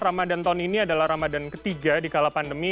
ramadhan tahun ini adalah ramadhan ketiga di kala pandemi